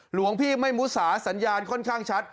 หลวงพี่ไม่มุสาสัญญาณค่อนข้างชัด